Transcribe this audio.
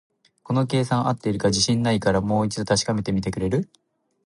この計算、合ってるか自信ないから、もう一度確かめてみてくれる？